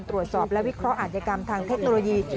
ตรวจสอบและวิเคราะห์อาจยกรรมทางเทคโนโลยี